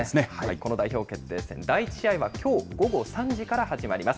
この代表決定戦、第１試合はきょう午後３時から始まります。